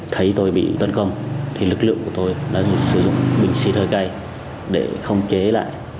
thấy tôi bị tấn công thì lực lượng của tôi đã sử dụng bình xì thơi cay để không chế lại